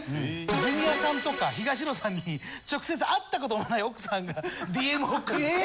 ジュニアさんとか東野さんに直接会ったこともない奥さんがＤＭ送って。